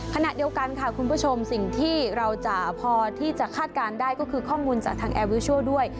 ขณะเดียวกันค่ะคุณผู้ชมสิ่งที่เราจะพอที่จะคาดการณ์ได้ก็คือข้อมูลจากทางแอร์วิชัลด้วย